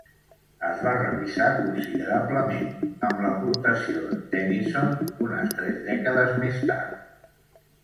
Es va revisar considerablement, amb l'aportació de Tennyson unes tres dècades més tard.